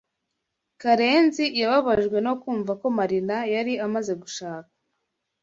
Karenzi yababajwe no kumva ko Marina yari amaze gushaka.